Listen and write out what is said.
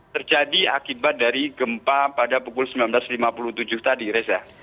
terjadi akibat dari gempa pada pukul sembilan belas lima puluh tujuh tadi reza